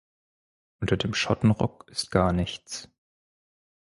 Unter dem Schottenrock ist gar nichts.